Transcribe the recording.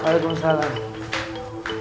tidak tapi dalam des elise terjatuhsa